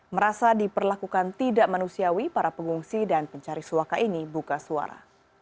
merasa diperlakukan tidak manusiawi para pengungsi dan pencari suaka ini buka suara